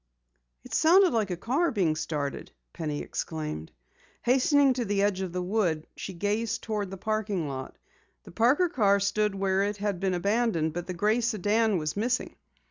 "It sounded like a car being started!" Penny exclaimed. Hastening to the edge of the woods, she gazed toward the parking lot. The Parker car stood where it had been abandoned, but the gray sedan was missing.